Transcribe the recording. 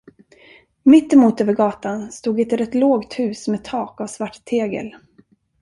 Mitt emot över gatan stod ett rätt lågt hus med tak av svart tegel.